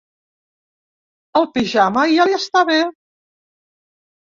El pijama ja li està bé.